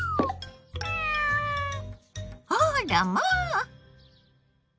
あらまあ！